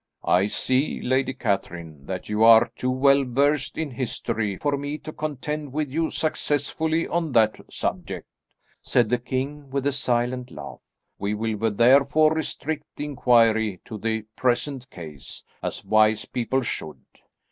"I see, Lady Catherine, that you are too well versed in history for me to contend with you successfully on that subject," said the king with a silent laugh. "We will therefore restrict the inquiry to the present case, as wise people should.